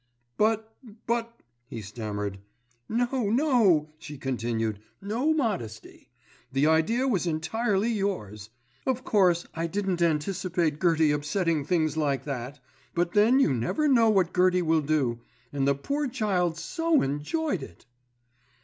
"But—but—" he stammered. "No, no," she continued. "No modesty. The idea was entirely yours. Of course I didn't anticipate Gertie upsetting things like that; but then you never know what Gertie will do, and the poor child so enjoyed it."